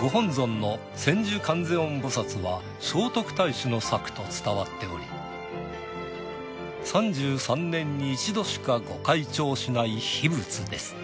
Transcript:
ご本尊の千手観世音菩薩は聖徳太子の作と伝わっており３３年に１度しか御開帳しない秘仏です。